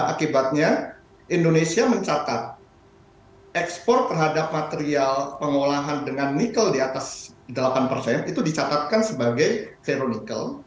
akibatnya indonesia mencatat ekspor terhadap material pengolahan dengan nikel di atas delapan persen itu dicatatkan sebagai veronical